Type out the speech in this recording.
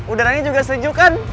udara nya juga sejuk kan